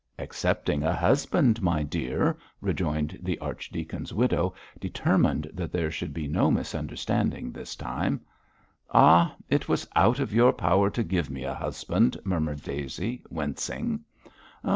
'Excepting a husband, my dear,' rejoined the archdeacon's widow, determined that there should be no misunderstanding this time. 'Ah! it was out of your power to give me a husband,' murmured Daisy, wincing.